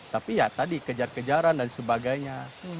tapi ya tadi kejar kejaran dan sebagainya